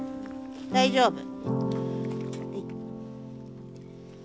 大丈夫？